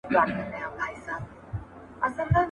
چي زما او ستا بايده دي، ليري او نژدې څه دي.